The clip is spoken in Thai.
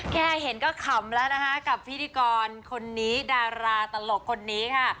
แค่เห็นก็ขำแล้วนะคะกับพิธีกรคนนี้ดาราตลกคนนี้ค่ะ